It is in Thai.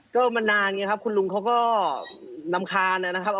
ก็มันนานไงครับคุณลุงเขาก็รำคาญนะครับ